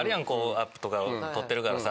アップとか撮ってるからさ。